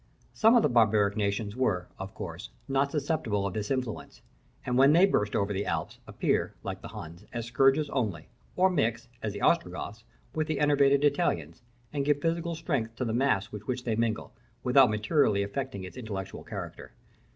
Some of the barbaric nations were, of course, not susceptible of this influence; and when they burst over the Alps, appear, like the Huns, as scourges only, or mix, as the Ostrogoths, with the enervated Italians, and give physical strength to the mass with which they mingle, without materially affecting its intellectual character.